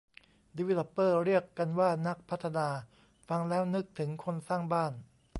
ดีวีลอปเปอร์ เรียกกันว่านักพัฒนา ฟังแล้วนึกถึงคนสร้างบ้าน